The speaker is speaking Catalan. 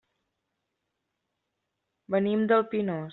Venim del Pinós.